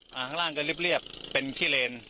ข้างล่างก็เรียบเป็นขี้เลน